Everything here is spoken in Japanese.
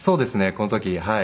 この時はい。